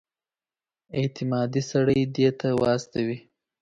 اعتمادي سړی دې ده ته واستوي.